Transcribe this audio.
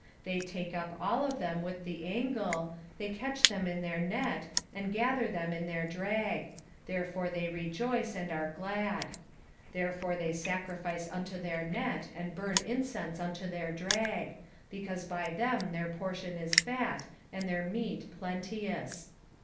1:15 They take up all of them with the angle, they catch them in their net, and gather them in their drag: therefore they rejoice and are glad. 1:16 Therefore they sacrifice unto their net, and burn incense unto their drag; because by them their portion is fat, and their meat plenteous.